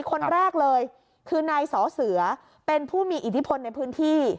คนแรกเลยคือนายสอเสือเป็นผู้มีอิทธิพลในพื้นที่